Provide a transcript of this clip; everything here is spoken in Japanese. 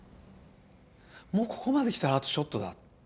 「もうここまで来たらあとちょっとだ。